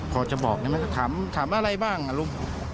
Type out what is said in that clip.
พอจะบอกนะครับถามอะไรบ้างอารุม